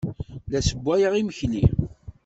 La ssewwayeɣ imekli.